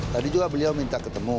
tadi juga beliau minta ketemu